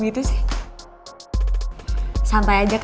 niat dimana aku